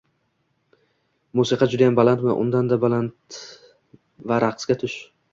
Musiqa judayam balandmi? Undanda balandlat va raqsga tush!